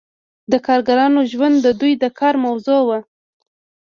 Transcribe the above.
د کارګرانو ژوند د دوی د کار موضوع وه.